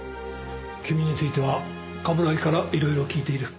君については冠城から色々聞いている。